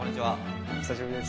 お久しぶりです。